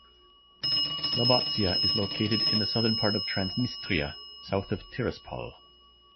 Slobozia is located in the southern part of Transnistria, south of Tiraspol.